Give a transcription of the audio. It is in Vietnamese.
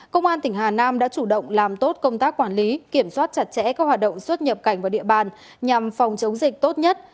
công an tỉnh hà nam đã chủ động làm tốt công tác quản lý kiểm soát chặt chẽ các hoạt động xuất nhập cảnh vào địa bàn nhằm phòng chống dịch tốt nhất